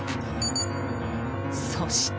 そして。